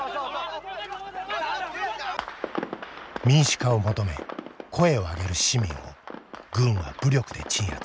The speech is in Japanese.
民主化を求め声を上げる市民を軍は武力で鎮圧。